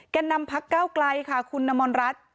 แก่นำผลักก้าวไกลค่ะคุณนามรัฐ